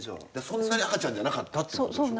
そんなに赤ちゃんじゃなかったってことでしょ。